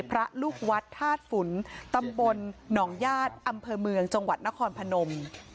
พระลูกวัดธาตุฝุนตำบลหนองญาติอำเภอเมืองจังหวัดนครพนม